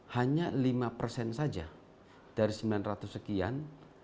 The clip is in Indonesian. hanya lima persen saja dari sembilan ratus sekian